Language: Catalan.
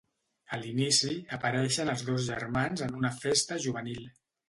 A l'inici, apareixen els dos germans en una festa juvenil.